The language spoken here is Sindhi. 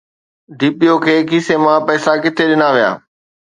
ڊي پي او کي کيسي مان پئسا ڪٿي ڏنا ويا؟